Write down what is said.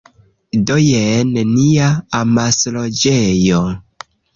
Do, jen nia amasloĝejo